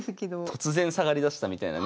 突然下がりだしたみたいなね。